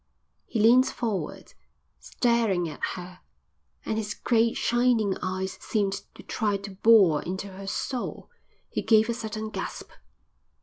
He leaned forward, staring at her, and his great, shining eyes seemed to try to bore into her soul. He gave a sudden gasp.